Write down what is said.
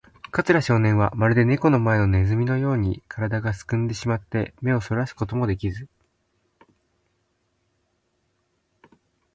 桂少年は、まるでネコの前のネズミのように、からだがすくんでしまって、目をそらすこともできず、